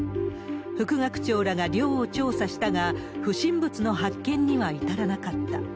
副学長らが寮を調査したが、不審物の発見には至らなかった。